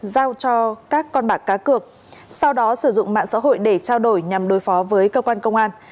giao cho các con bạc cá cược sau đó sử dụng mạng xã hội để trao đổi nhằm đối phó với cơ quan công an